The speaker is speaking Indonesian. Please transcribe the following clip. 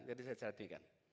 jadi saya ceritakan